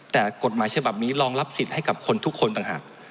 แต่กฎหมายฉบับนี้รองรับสิทธิ์ให้กับคนทุกคนต่างหาก